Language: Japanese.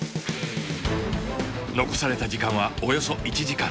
残された時間はおよそ１時間。